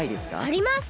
あります！